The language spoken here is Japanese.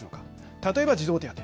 例えば児童手当。